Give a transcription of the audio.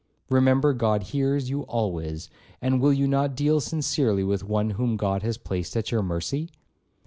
Remember God hears you always, and will you not deal sincerely with one whom God has placed at your mercy?'